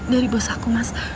dari bos aku mas